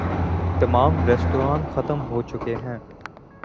تمام ریستوران ختم ہو چکے ہیں۔